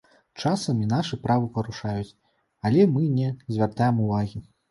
Часам і нашы правы парушаюць, але мы не звяртаем увагі.